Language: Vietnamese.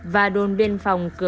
và đôn biên lạc